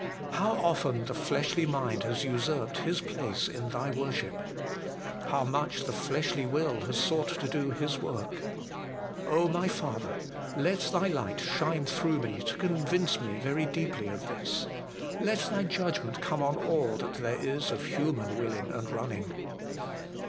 How often the fleshly mind has usurped His place in Thy worship ! How much the fleshly will has sought to do His work ! my Father ! let Thy light shine through me to convince me very deeply of this. Let Thy judgment come on all that there is of human willing and running.